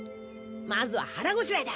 まずは腹ごしらえだ。